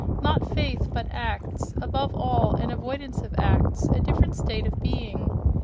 Not faith, but acts; above all, an avoidance of acts, a different state of being....